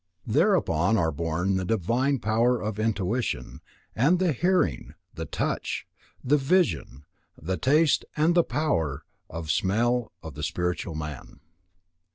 Thereupon are born the divine power of intuition, and the hearing, the touch, the vision, the taste and the power of smell of the spiritual man.